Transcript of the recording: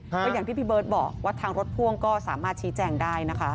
ก็อย่างที่พี่เบิร์ตบอกว่าทางรถพ่วงก็สามารถชี้แจงได้นะคะ